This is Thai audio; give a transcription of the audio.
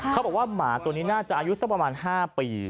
เขาบอกว่าหมาตัวนี้น่าจะอายุสักประมาณ๕ปี